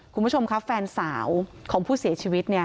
คุณผู้ชมครับแฟนสาวของผู้เสียชีวิตเนี่ย